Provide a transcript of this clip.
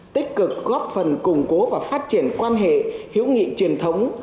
tích cực góp phần củng cố và phát triển quan hệ hiếu nghị truyền thống